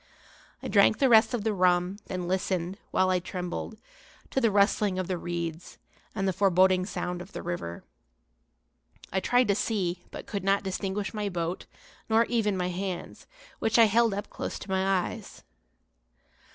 I drank the rest of the rum, then listened, while I trembled, to the rustling of the reeds and the foreboding sound of the river. I tried to see, but could not distinguish my boat, nor even my hands, which I held up close to my eyes.